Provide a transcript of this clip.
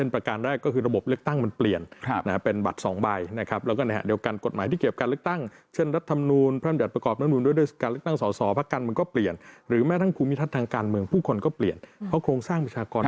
ผู้คนก็เปลี่ยนเพราะโครงสร้างประชากรเปลี่ยน